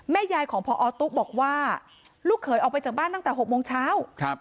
ยายของพอตุ๊บอกว่าลูกเขยออกไปจากบ้านตั้งแต่๖โมงเช้า